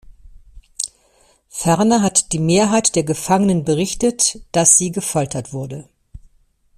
Ferner hat die Mehrheit der Gefangenen berichtet, dass sie gefoltert wurde.